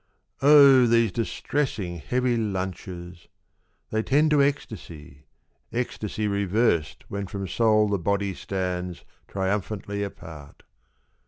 OH, these distressing heavy lunches ...! They tend to ecstasy — ecstasy reversed When from soul the body stands Triumphantly apart.